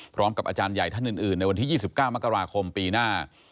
พร้อมกับอาจารย์ใหญ่ท่านอื่นในวันที่๒๙มกราคมปีหน้า